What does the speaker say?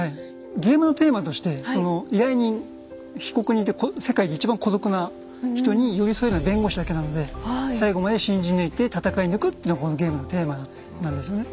ゲームのテーマとして依頼人被告人って世界で一番孤独な人に寄り添えるのは弁護士だけなので最後まで信じ抜いてたたかい抜くっていうのはこのゲームのテーマなんですね。